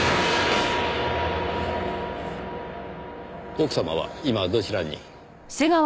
奥様は今どちらに？